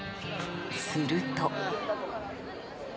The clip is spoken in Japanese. すると。